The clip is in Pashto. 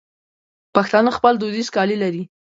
پښتانه خپل دودیز کالي لري.